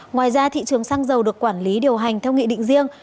ngoài ra thị trường xăng dầu được quản lý điều hành theo nghị định riêng